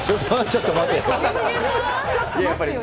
ちょっと待てよ！